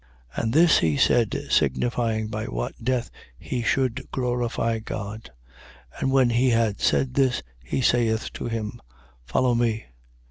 21:19. And this he said, signifying by what death he should glorify God. And when he had said this, he saith to him: Follow me.